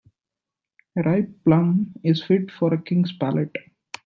A ripe plum is fit for a king's palate.